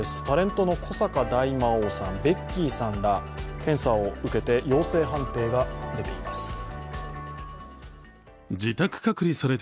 タレントの古坂大魔王さんベッキーさんら、検査を受けて陽性判定が出ています。